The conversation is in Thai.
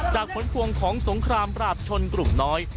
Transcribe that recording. จากขนควงของสงครามราบชนกลุ่มน้อย